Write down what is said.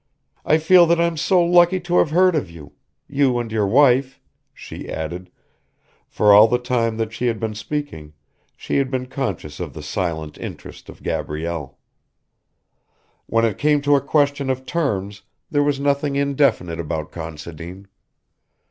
I feel that I'm so lucky to have heard of you. You and your wife," she added, for all the time that she had been speaking, she had been conscious of the silent interest of Gabrielle. When it came to a question of terms there was nothing indefinite about Considine.